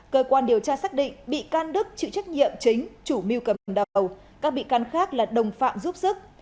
cơ quan điều tra xác định bị can đức chịu trách nhiệm chính chủ mưu cầm đầu các bị can khác là đồng phạm giúp sức